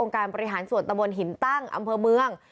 การบริหารส่วนตะบนหินตั้งอำเภอเมือง